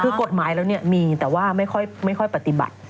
คือกฎหมายแล้วมีแต่ว่าไม่ค่อยปฏิบัติ